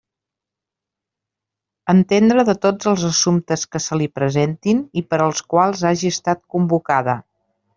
Entendre de tots els assumptes que se li presentin i per als quals hagi estat convocada.